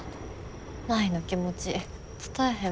舞の気持ち伝えへん